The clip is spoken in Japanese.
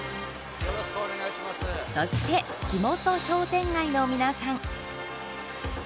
そして、地元商店街の皆さん。